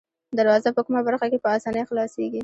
دروازه په کومه برخه کې په آسانۍ خلاصیږي؟